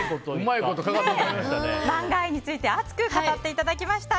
マンガ愛について熱く語っていただきました。